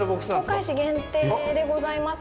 東海市限定でございます。